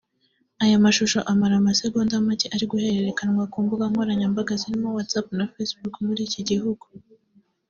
Aya mashusho amara amasegonda make ari guhererekanywa ku mbuga nkoranyambaga zirimo WhatsApp na Facebook muri icyo gihugu